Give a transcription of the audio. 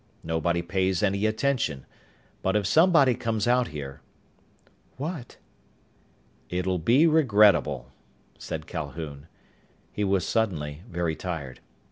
Nobody pays any attention. But if somebody comes out here...." "What?" "It'll be regrettable," said Calhoun. He was suddenly very tired.